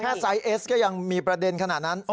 แก่ไซซ์เอสก็มีประเด็นขนาดนั้น